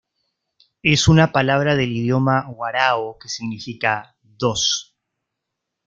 Es una palabra del idioma warao que significa "dos".